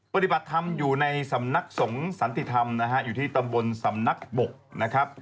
ปฏิบัติธรรมอยู่ในสำนักสงฆ์สันติธรรมนะฮะอยู่ที่ตำบลสำนักบกนะครับ